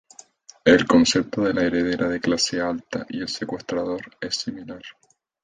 El concepto de la heredera de clase alta y el secuestrador es similar.